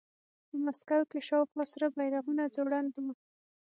په مسکو کې شاوخوا سره بیرغونه ځوړند وو